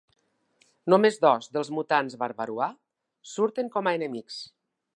Només dos dels mutants Barbarois surten com a enemics.